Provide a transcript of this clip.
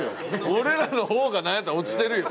俺らの方がなんやったら落ちてるよ。